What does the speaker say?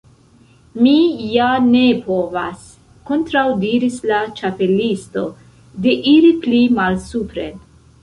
"Mi ja ne povas," kontraŭdiris la Ĉapelisto, "deiri pli malsupren.